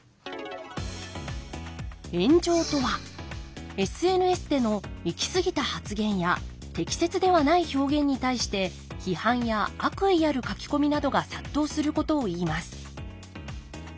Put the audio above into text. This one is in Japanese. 炎上とはＳＮＳでの行き過ぎた発言や適切ではない表現に対して批判や悪意ある書き込みなどが殺到することをいいます。